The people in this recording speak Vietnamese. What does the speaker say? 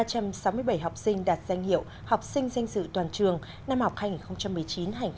ba trăm sáu mươi bảy học sinh đạt danh hiệu học sinh danh dự toàn trường năm học hành một mươi chín hai nghìn hai mươi